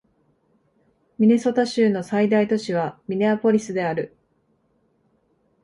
ミネソタ州の最大都市はミネアポリスである